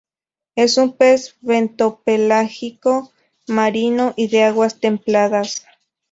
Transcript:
Es un pez bentopelágico, marino y de aguas templadas.